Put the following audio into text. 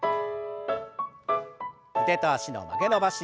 腕と脚の曲げ伸ばし。